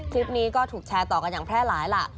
คลิปนี้ก็ถูกแชร์ต่อกันอย่างแพร่หลายล่ะ